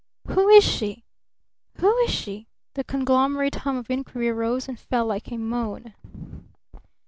"Who is she? Who is she?" the conglomerate hum of inquiry rose and fell like a moan.